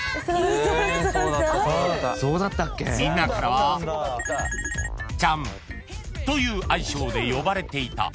［みんなからはちゃんという愛称で呼ばれていた］